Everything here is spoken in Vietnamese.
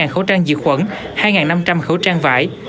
hai khẩu trang diệt khuẩn hai năm trăm linh khẩu trang vải